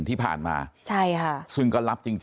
ทางคุณชัยธวัดก็บอกว่าการยื่นเรื่องแก้ไขมาตรวจสองเจน